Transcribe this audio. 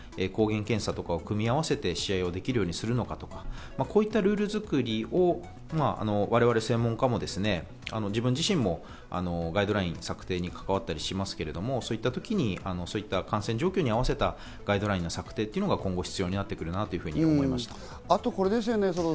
抗原検査とかを組み合わせて試合ができるようにするのかとか、こういったルール作りを我々専門家も自分自身もガイドライン策定に関わったりしますけど、そういった時に感染状況に合わせたガイドラインの策定というのが今後、必要になってくるなと思いました。